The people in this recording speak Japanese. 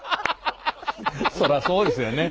そらそうですよね。